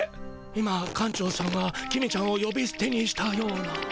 今館長さんが公ちゃんをよびすてにしたような。